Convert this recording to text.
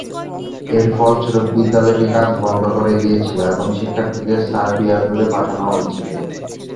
এর ফলস্বরূপ, বিদ্যালয়টি কাজ বন্ধ করে দিয়েছিল এবং শিক্ষার্থীদের সার্বিয়া জুড়ে পাঠানো হয়েছিল।